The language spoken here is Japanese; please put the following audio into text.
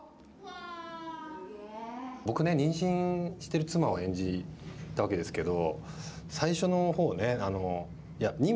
僕ね、妊娠してる妻を演じたわけですけど。